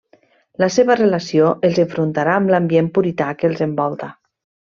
La seva relació els enfrontarà amb l'ambient purità que els envolta.